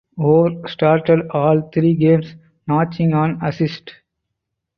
Orr started all three games notching an assist.